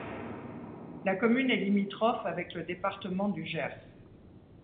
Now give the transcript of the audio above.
La commune est limitrophe avec le département du Gers.